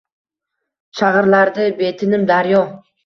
Shag’irlardi betinim daryo